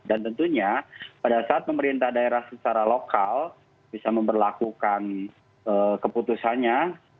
dan tentunya pada saat pemerintah daerah secara lokal bisa memperlakukan keputusannya